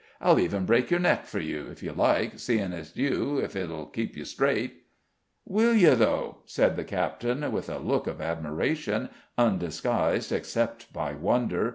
I'll even break your neck for you, if you like, seeing it's you, if it'll keep you straight." "Will you, though?" said the captain, with a look of admiration, undisguised except by wonder.